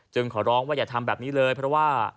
ขอร้องว่าอย่าทำแบบนี้เลยเพราะว่า